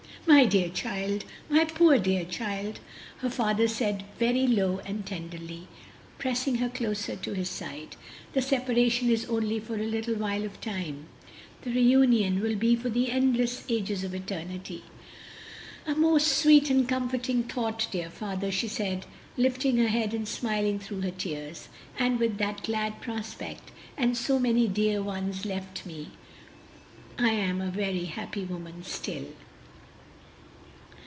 "My dear child! my poor dear child!" her father said very low and tenderly, pressing her closer to his side; "the separation is only for the little while of time, the reunion will be for the endless ages of eternity." "A most sweet and comforting thought, dear father," she said, lifting her head and smiling through her tears; "and with that glad prospect and so many dear ones left me, I am a very happy woman still."